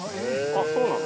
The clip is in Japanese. あっそうなの？